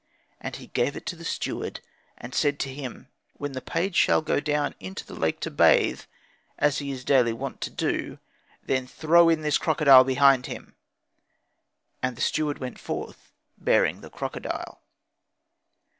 And he gave it to the steward, and said to him, 'When the page shall go down into the lake to bathe, as he is daily wont to do, then throw in this crocodile behind him.' And the steward went forth bearing the crocodile.